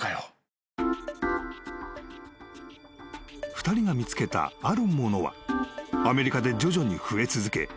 ［２人が見つけたあるものはアメリカで徐々に増え続け